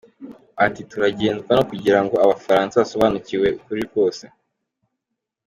Ati “Turagenzwa no kugirango Abafaransa basobanukirwe ukuri kose”.